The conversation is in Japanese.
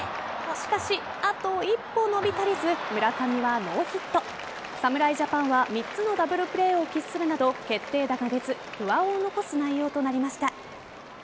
しかし、あと一歩伸び足りず村上はノーヒット。侍ジャパンは３つのダブルプレーを喫するなど決定打が出ず不安を残す内容となりました。